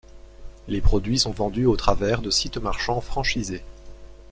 Les produits sont vendus au travers de sites marchands franchisés.